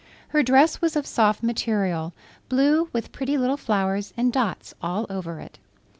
Her dress was of soft material, blue with pretty little flowers and dots all over it.